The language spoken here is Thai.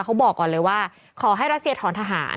เขาบอกก่อนเลยว่าขอให้รัสเซียถอนทหาร